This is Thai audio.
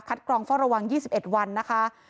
คัดกรองฟ่าระวัง๒๑วันนะคะ